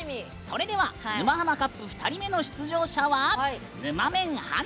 それでは「沼ハマカップ」２人目の出場者はぬまメン華。